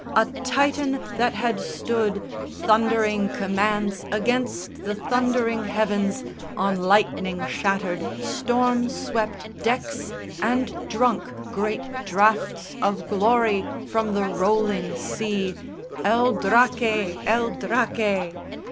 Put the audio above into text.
a Titan that had stood, Thundering commands against the thundering heavens, On lightning shattered, storm swept decks and drunk Great draughts of glory from the rolling sea, El Draque! El Draque!